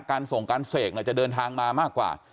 การสงฆ์การเสกเนี่ยจะเดินทางมามากกว่า